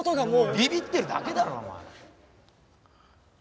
ビビってるだけだろお前。